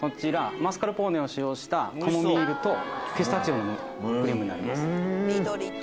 マスカルポーネを使用したカモミールとピスタチオのクリームになります。